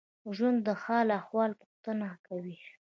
ژوندي د حال احوال پوښتنه کوي